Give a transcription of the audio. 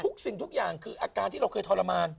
สิ่งทุกอย่างคืออาการที่เราเคยทรมาน